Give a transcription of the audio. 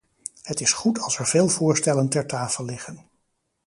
Het is goed als er veel voorstellen ter tafel liggen.